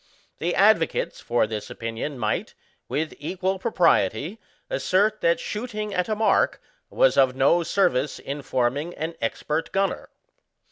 The advocates for this opinion might, with equal propriety, assert that shboting at a mark was of no service in forming an expert gunner.